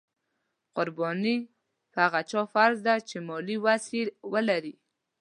قرباني په هغه چا فرض ده چې مالي وس یې ولري.